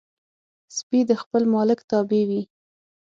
سپي د خپل مالک تابع وي.